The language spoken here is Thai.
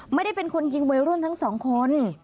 ไม่ได้เป็นคนยิงวัยรุ่นทั้งสองคน